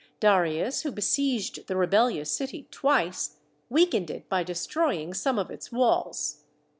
Darius, who besieged the rebellious city twice, weakened it by destroying some of its walls.